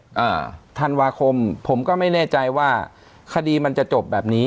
อ่าธันวาคมผมก็ไม่แน่ใจว่าคดีมันจะจบแบบนี้